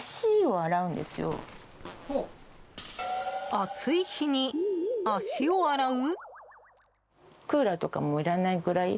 暑い日に足を洗う？